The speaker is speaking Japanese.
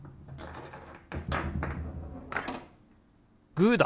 グーだ！